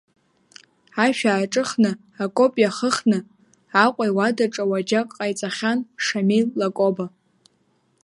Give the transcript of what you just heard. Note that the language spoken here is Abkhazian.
Ашә ааҿыхны, акопиа ахыхны, Аҟәа иуадаҿы ауаџьаҟ ҟаиҵахьан Шамил Лакоба.